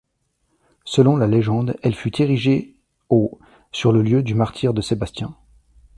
Selon la légende, elle fut érigée au sur le lieu du martyre de Sébastien.